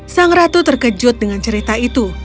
sang ratu terkejut dengan cerita itu